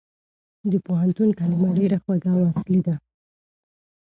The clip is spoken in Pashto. د پوهنتون کلمه ډېره خوږه او اصلي ده.